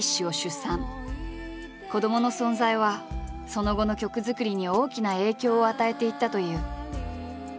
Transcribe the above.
子どもの存在はその後の曲作りに大きな影響を与えていったという。